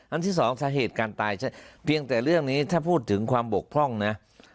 ที่สองสาเหตุการตายใช่เพียงแต่เรื่องนี้ถ้าพูดถึงความบกพร่องนะ